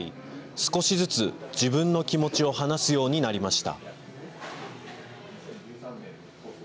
少しずつ自分の気持ちを話すようになりました。